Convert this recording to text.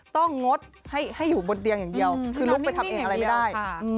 งดให้อยู่บนเตียงอย่างเดียวคือลุกไปทำเองอะไรไม่ได้